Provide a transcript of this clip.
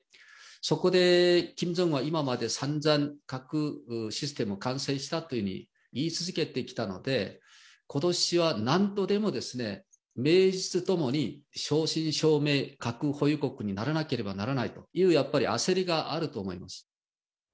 そこでキム・ジョンウンは、今までさんざん核システム完成したというふうに言い続けてきたので、ことしはなんとしても名実ともに正真正銘、核保有国にならなければならないという、やっぱり焦りがあると思います。